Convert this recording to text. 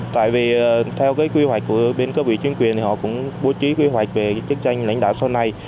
tại vì theo quy hoạch của cấp ủy chính quyền thì họ cũng bố trí quy hoạch về trách tranh lãnh đạo sau này